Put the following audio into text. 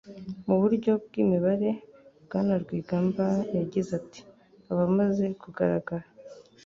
Mu buryo bw'imibare, Bwana Rwigamba yagize ati: "Abamaze kugaragara